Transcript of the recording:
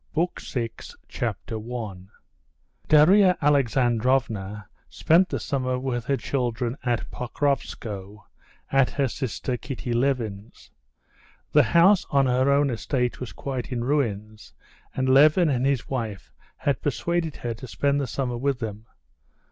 PART SIX Chapter 1 Darya Alexandrovna spent the summer with her children at Pokrovskoe, at her sister Kitty Levin's. The house on her own estate was quite in ruins, and Levin and his wife had persuaded her to spend the summer with them.